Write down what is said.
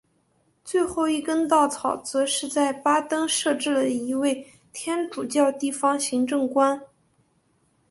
最后一根稻草则是在巴登设置了一位天主教地方行政官。